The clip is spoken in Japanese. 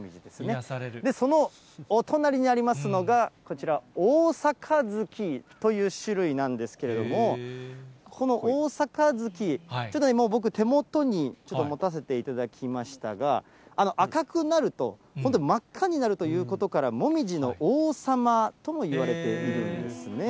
そのお隣にありますのが、こちら、オオサカズキという種類なんですけれども、このオオサカズキ、ちょっと、僕手元に持たせていただきましたが、赤くなると、本当、真っ赤になるということからもみじの王様ともいわれているんです赤いね。